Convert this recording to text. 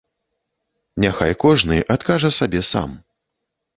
Няхай кожны адкажа сабе сам.